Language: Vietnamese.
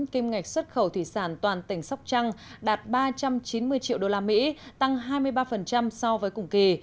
kim ngạch xuất khẩu thủy sản toàn tỉnh sóc trăng đạt ba trăm chín mươi triệu đô la mỹ tăng hai mươi ba so với cùng kỳ